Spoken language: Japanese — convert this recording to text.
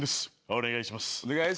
お願いします。